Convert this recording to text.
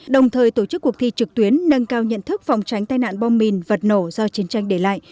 đồng thời tổ chức cuộc thi trực tuyến nâng cao nhận thức phòng tránh tai nạn bom mìn vật nổ do chiến tranh để lại